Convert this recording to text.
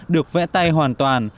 được vẽ tay hoàn toàn